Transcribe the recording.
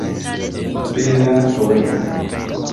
Bela poemo!